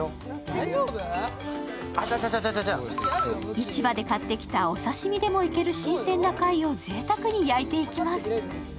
市場で買ってきたお刺身でもいける新鮮な貝をぜいたくに焼いていきます。